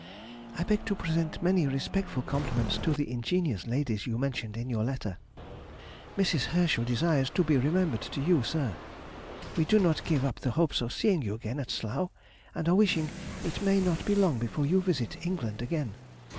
I beg to present many respectful compliments to the ingenious ladies you mentioned in your letter. Mrs. Herschel desires to be remembered to you, sir. We do not give up the hopes of seeing you again at Slough, and are wishing it may not be long before you visit England again.